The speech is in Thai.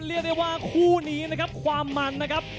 เรียกได้ว่าคู่นี้นะครับความมันนะครับ